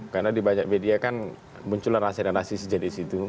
karena di banyak media kan munculan hasil hasil sejenis itu